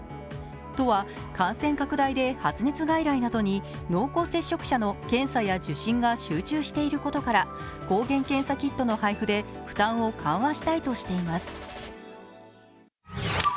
都は感染拡大で発熱外来などに濃厚接触者の検査や受診が集中していることから抗原検査キットの配布で負担を緩和したいとしています。